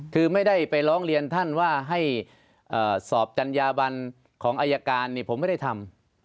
คือไม่ได้ไปร้องเรียนท่านว่าให้สอบจัญญาบันของอายการผมไม่ได้ทำ